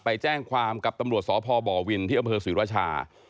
ไปแจ้งความกับตำรวจสพบวินที่อำเภอศรีราชา